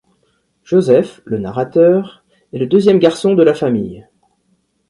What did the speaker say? Joseph, le narrateur, est le deuxième garçon de la famille.